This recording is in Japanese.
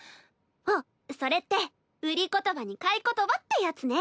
あっそれって「売り言葉に買い言葉」ってやつね。